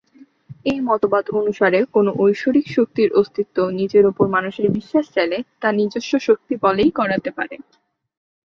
এই মতবাদ অনুসারে কোন ঐশ্বরিক শক্তির অস্তিত্ব নিজের উপর মানুষের বিশ্বাস চাইলে তা নিজস্ব শক্তি বলেই করাতে পারে।